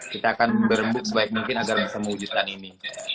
kita akan berembuk sebaik mungkin agar bisa mewujudkan ini